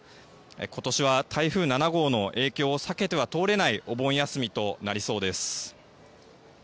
今年は台風７号の影響を避けては通れないお盆休みとなりそうです。